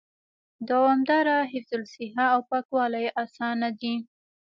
دوامدار حفظ الصحه او پاکوالي آسانه دي